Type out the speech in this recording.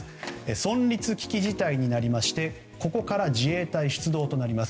存立危機事態になりましてここから自衛隊出動となります。